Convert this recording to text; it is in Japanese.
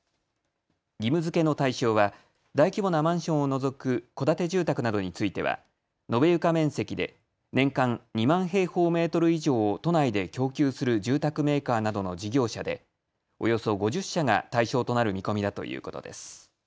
義務づけの対象は大規模なマンションを除く戸建て住宅などについては延べ床面積で年間２万平方メートル以上を都内で供給する住宅メーカーなどの事業者でおよそ５０社が対象となる見込みだということです。